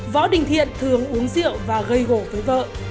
võ đình thiện thường uống rượu và gây hổ với vợ